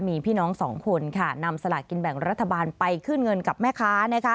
มีพี่น้องสองคนค่ะนำสลากินแบ่งรัฐบาลไปขึ้นเงินกับแม่ค้านะคะ